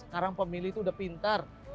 sekarang pemilih itu udah pinter